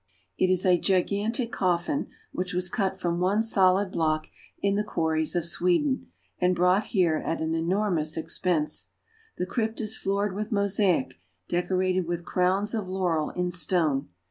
It is a gigantic coffin which was cut from one solid block in the quarries of Sweden, and brought here at an enormous expense. The crypt is floored with mosaic, deco rated with crowns of laurel in stone.